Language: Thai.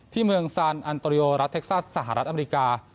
ที่เมืองซานอันโตริโอรัฐเท็กซัสสหรัฐอเมริกา